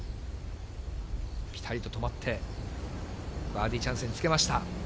ぴたりと止まって、バーディーチャンスにつけました。